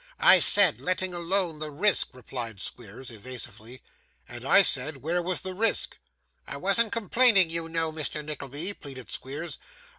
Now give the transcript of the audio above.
'I said, letting alone the risk,' replied Squeers, evasively. 'And I said, where was the risk?' 'I wasn't complaining, you know, Mr. Nickleby,' pleaded Squeers.